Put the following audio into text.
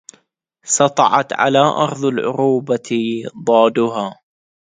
سطعت على أرض العروبة ضادها